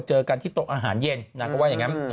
เจอกันที่โต๊ะอาหารเย็นนางก็ว่าอย่างนั้น